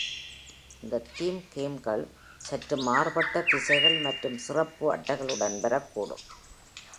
இந்த தீம் கேம்கள் சற்று மாறுபட்ட திசைகள் மற்றும் சிறப்பு அட்டைகளுடன் வரக்கூடும்.